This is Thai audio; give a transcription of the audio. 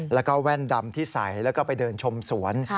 แล้วก็แว่นดำที่ใส่แล้วก็ไปเดินชมสวน